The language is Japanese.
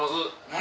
何？